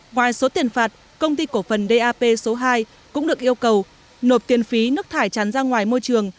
ngoài số tiền phạt công ty cổ phần dap số hai cũng được yêu cầu nộp tiền phí nước thải chán ra ngoài môi trường